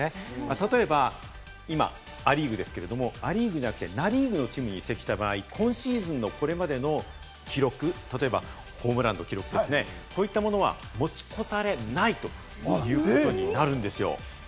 例えば今、ア・リーグですけれども、ナ・リーグのチームに移籍した場合、今シーズンのこれまでの記録、例えばホームランの記録ですね、こういったものは持ち越されないということになるんですよ。